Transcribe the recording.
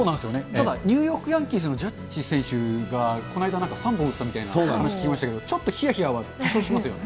ただ、ニューヨークヤンキースのジャッジ選手がこの間、３本打ったみたいな話を聞いて、ちょっとひやひやは一瞬、しますよね。